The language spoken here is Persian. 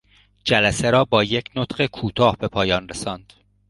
جلسه را با یک نطق کوتاه به پایان رساند.